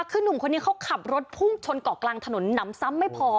คือหนุ่มคนนี้เขาขับรถพุ่งชนเกาะกลางถนนหนำซ้ำไม่พอ